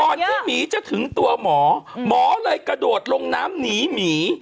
ที่หมีจะถึงตัวหมอหมอเลยกระโดดลงน้ำหนีหมี